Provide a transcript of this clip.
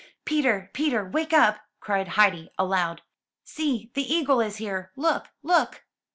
*Teter, Peter! wake up!" cried Heidi aloud. "See, the eagle is here; look, look!